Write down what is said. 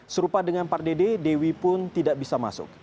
serupa dengan pak dede dewi pun tidak bisa masuk